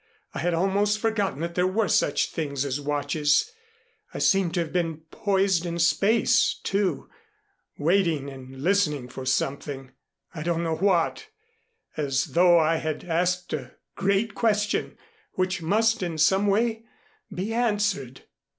I had almost forgotten that there were such things as watches. I seem to have been poised in space, too, waiting and listening for something I don't know what as though I had asked a great question which must in some way be answered."